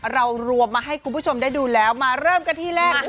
เรารวมมาให้คุณผู้ชมได้ดูแล้วมาเริ่มกันที่แรก